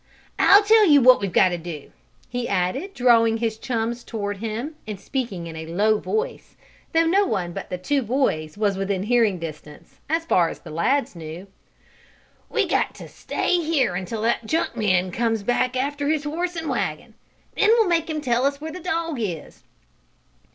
"I'll tell you what we've got to do," he added, drawing his chums toward him, and speaking in a low voice, though no one but the two boys was within hearing distance, as far as the lads knew. "We got to stay here until that junk man comes back after his horse and wagon. Then we'll make him tell us where the dog is."